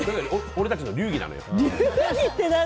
俺たちの流儀なのよ。